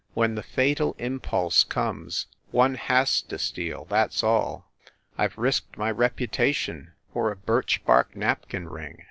When the fatal impulse conies, one has to steal, that s all. I ve risked my reputation for a birch bark napkin ring!